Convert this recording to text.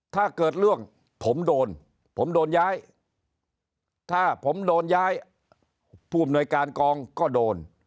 ถ้าเกิดเรื่องผมโดนผมโดนย้ายถ้าผมโดนย้ายผู้อำนวยการกองก็โดน